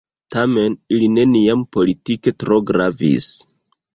Tamen ili neniam politike tro gravis.